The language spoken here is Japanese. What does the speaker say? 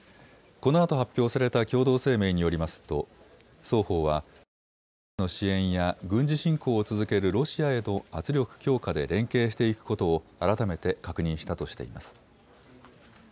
このあと発表された共同声明によりますと双方はウクライナへの支援や軍事侵攻を続けるロシアへの圧力強化で連携していくことを改めて確認したとしています。